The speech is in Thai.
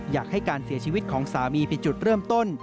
อยากให้การเสียชีวิตของสามีเป็นจุดเริ่มต้น